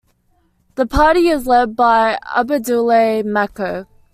The party is led by Abdoulaye Macko.